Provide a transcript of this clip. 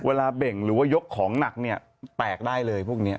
เบ่งหรือว่ายกของหนักเนี่ยแตกได้เลยพวกนี้